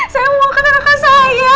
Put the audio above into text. saya mau ke kakak saya